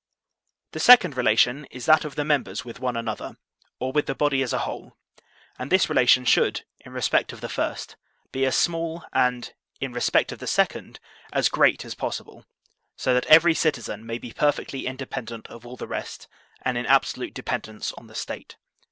The second relation is that of the members with one another, dr with the body as a whole; and this relation should, in respect of the first, be as small, and, in re spect of the second, as great as possible ; so that every citizen may be perfectly independent of all the rest, and in absolute dependence on the State.